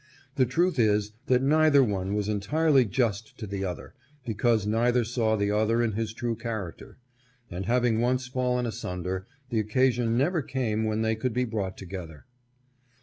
The truth is, that neither one was entirely just to the other, because neither saw the other in his true character ; and having once fallen asunder, the occasion never came when they could be brought together.